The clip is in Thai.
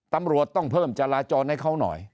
ตำรวจต้องเพิ่มจราจรให้เขาหน่อย